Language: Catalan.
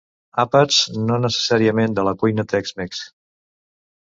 Àpats, no necessàriament de la cuina tex-mex.